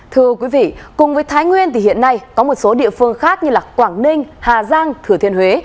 thưa quý vị cùng với thái nguyên thì hiện nay có một số địa phương khác như quảng ninh hà giang thừa thiên huế